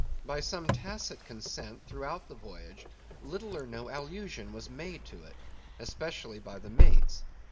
By some tacit consent, throughout the voyage little or no allusion was made to it, especially by the mates.